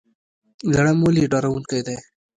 لړم ولې ډارونکی دی؟